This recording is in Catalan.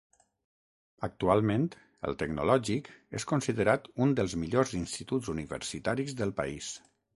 Actualment el Tecnològic és considerat un dels millors instituts universitaris del país.